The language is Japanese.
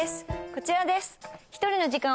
こちらです